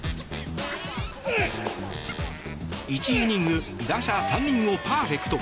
１イニング、打者３人をパーフェクト。